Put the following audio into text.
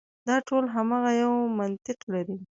دا ټول هماغه یو منطق لري.